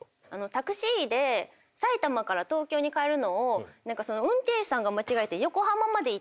タクシーで埼玉から東京に帰るのを運転手さんが間違えて横浜まで行っちゃって。